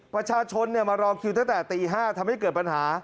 ประชาชนมารอคิวตั้งแต่ตี๕ทำให้เกิดปัญหา